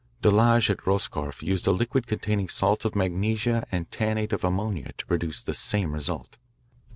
Delage at Roscorf used a liquid containing salts of magnesia and tannate of ammonia to produce the same result.